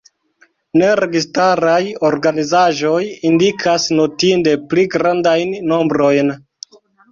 Neregistaraj organizaĵoj indikas notinde pli grandajn nombrojn.